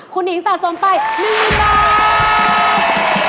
คุณหญิงสะสมไป๑หมื่นบาท